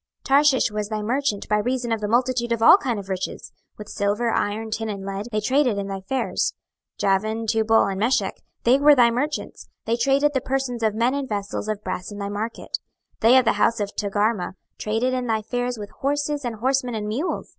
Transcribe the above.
26:027:012 Tarshish was thy merchant by reason of the multitude of all kind of riches; with silver, iron, tin, and lead, they traded in thy fairs. 26:027:013 Javan, Tubal, and Meshech, they were thy merchants: they traded the persons of men and vessels of brass in thy market. 26:027:014 They of the house of Togarmah traded in thy fairs with horses and horsemen and mules.